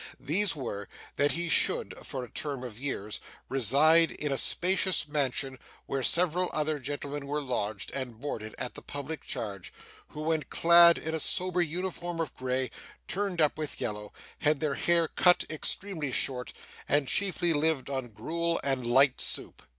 These were, that he should, for a term of years, reside in a spacious mansion where several other gentlemen were lodged and boarded at the public charge, who went clad in a sober uniform of grey turned up with yellow, had their hair cut extremely short, and chiefly lived on gruel and light soup.